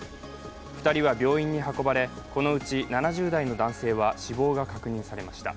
２人は病院に運ばれ、このうち７０代の男性は死亡が確認されました。